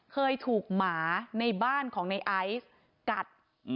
เคยถูกหมาในบ้านของในไอซ์กัด